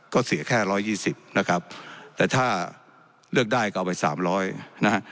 ก็เสียแค่ร้อยยี่สิบนะครับแต่ถ้าเลือกได้ก็เอาไปสามร้อยนะฮะ